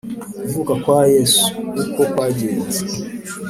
Kuvuka kwa Yesu, uko kwagenze